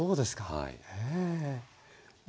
はい。